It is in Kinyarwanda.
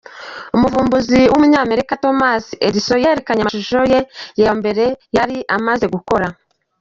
Umuvumbuzi w’umunyamerika Thomas Edison yerekanye amashusho ye ya mbere yari amaze gukora.